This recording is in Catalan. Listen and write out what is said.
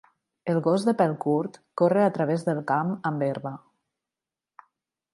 El gos de pèl curt corre a través del camp amb herba.